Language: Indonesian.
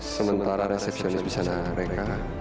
sementara resepsiunis bisa menangkap mereka